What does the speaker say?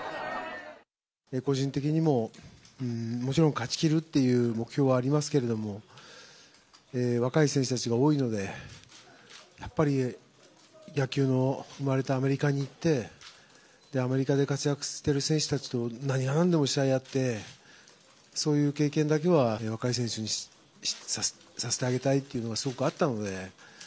個人的にも、もちろん勝ち切るっていう目標はありますけれども、若い選手たちが多いので、やっぱり野球の生まれたアメリカに行って、アメリカで活躍してる選手たちと何がなんでも試合やって、そういう経験だけは、若い選手にさせてあげたいっていうのがすごくあったので。